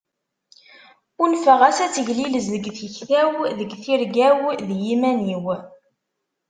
Unfeɣ-as ad teglilez deg tikta-w, deg tirga-w d yiman-iw.